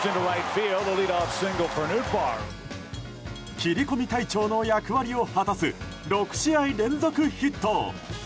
切り込み隊長の役割を果たす６試合連続ヒット。